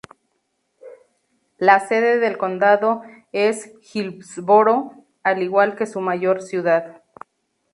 La sede del condado es Hillsboro, al igual que su mayor ciudad.